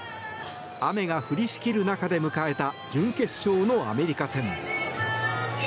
雨が降りしきる中で迎えた準決勝のアメリカ戦。